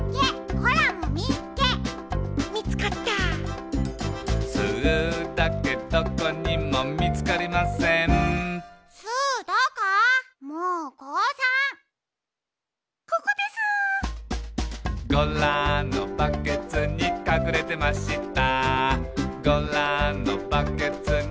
「ゴラのバケツにかくれてました」